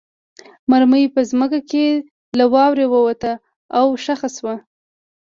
مرمۍ په ځمکه کې له واورې ووته او خښه شوه